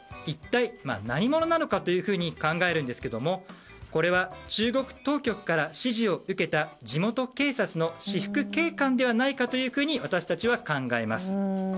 一体何者なのかと考えるんですけどもこれは中国当局から指示を受けた地元警察の私服警官ではないかというふうに私たちは考えます。